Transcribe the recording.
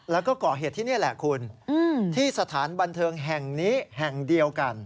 แล้วก็ก่อเหตุที่นี่แหละคุณที่สถานบันเทิงแห่งนี้แห่งเดียวกัน